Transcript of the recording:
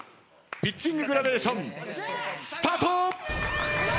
ピッチンググラデーションスタート！